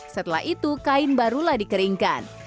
setelah itu kain barulah dikeringkan